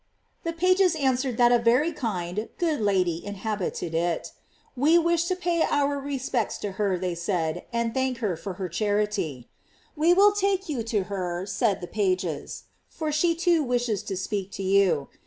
The pages answered that a very kind, good Lady inhabited it. We wish to pay our respects to her, said they, and thank her for her charity^ We will take you to her, said the pages, for she too wishes to speak to you.